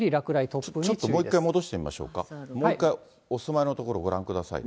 ちょっともう一回、戻してみましょうか、もう一回、お住まいの所、ご覧ください。